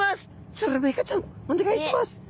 スルメイカちゃんお願いします。